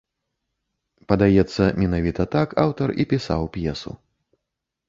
Падаецца, менавіта так аўтар і пісаў п'есу.